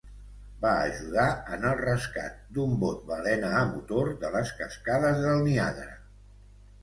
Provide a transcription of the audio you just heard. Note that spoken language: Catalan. Va ajudar en el rescat d'un bot balena a motor de les cascades del Niàgara.